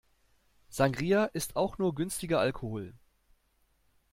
Sangria ist auch nur günstiger Alkohol.